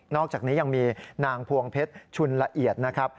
อกจากนี้ยังมีนางพวงเพชรชุนละเอียดนะครับ